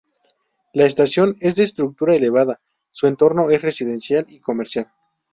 La estación es de estructura elevada, su entorno es residencial y comercial.